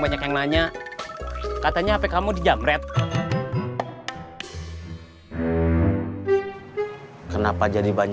besok saya ajak teman saya buat latihan disini